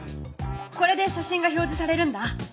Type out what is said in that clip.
これで写真が表示されるんだ。